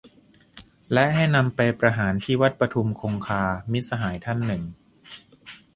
"และให้นำไปประหารที่วัดปทุมคงคา" - มิตรสหายท่านหนึ่ง